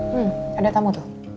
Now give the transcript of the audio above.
hmm ada tamu tuh